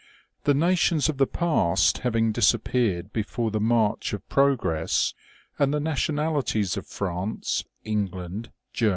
The nations of the past having disappeared before the march of progress, and the nationalities of France, England, Ger OMEGA.